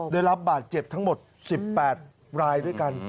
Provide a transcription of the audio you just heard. ได้รับบาดเจ็บทั้งหมด๑๘รายด้วยกัน